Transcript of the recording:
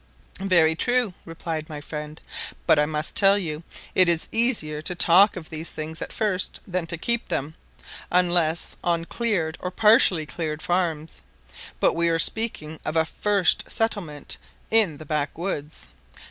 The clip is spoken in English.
"Very true," replied my friend; "but I must tell you it is easier to talk of these things at first than to keep them, unless on cleared or partially cleared farms; but we are speaking of a first settlement in the backwoods.